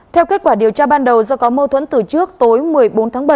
theo kết quả điều tra ban đầu do có mâu thuẫn từ trước tối một mươi bốn tháng bảy